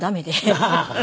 ハハハハ。